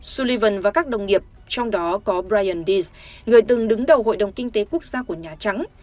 sullivan và các đồng nghiệp trong đó có brien dee người từng đứng đầu hội đồng kinh tế quốc gia của nhà trắng